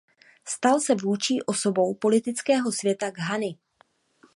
Stal se vůdčí osobou politického světa Ghany.